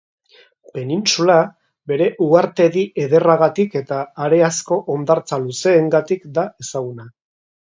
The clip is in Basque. Penintsula bere uhartedi ederragatik eta hareazko hondartza luzeengatik da ezaguna.